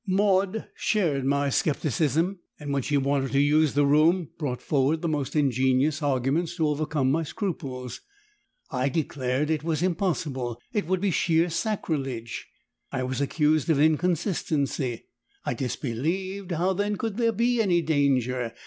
"Maud shared my scepticism and when she wanted to use the room, brought forward the most ingenious arguments to overcome my scruples. "I declared it was impossible it would be sheer sacrilege. I was accused of inconsistency. I disbelieved! how then could there be any danger!